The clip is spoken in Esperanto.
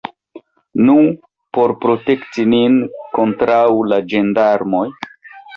Nu, por protekti nin kontraŭ la ĝendarmoj!